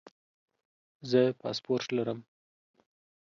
زه پاسپورټ لرم